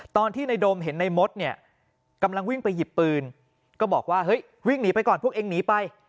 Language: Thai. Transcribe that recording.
ตอนที่ในโดมเห็นในมดเนี่ยกำลังวิ่งไปหยิบปืนก็บอกว่าเฮ้ยวิ่งหนีไปก่อนพวกเองหนีไป